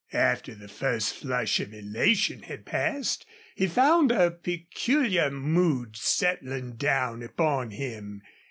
After the first flush of elation had passed he found a peculiar mood settling down upon him.